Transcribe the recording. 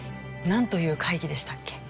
なんという会議でしたっけ？